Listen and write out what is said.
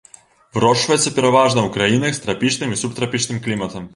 Вырошчваецца пераважна ў краінах з трапічным і субтрапічным кліматам.